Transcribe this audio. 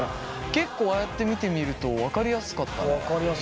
結構ああやって見てみると分かりやすかったね。